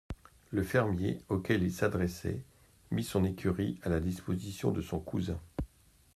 Le fermier auquel il s'adressait mit son écurie à la disposition de son cousin.